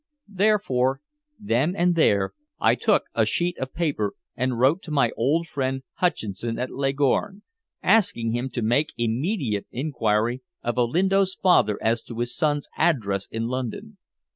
Therefore, then and there, I took a sheet of paper and wrote to my old friend Hutcheson at Leghorn, asking him to make immediate inquiry of Olinto's father as to his son's address in London.